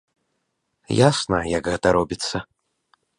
Ясна, як гэта робіцца.